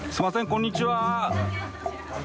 こんにちは。